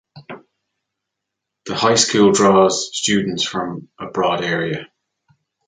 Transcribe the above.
The high school draws students from a broad area.